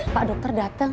pak dokter datang